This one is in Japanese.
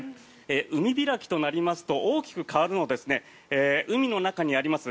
海開きとなりますと大きく変わるのは海の中にあります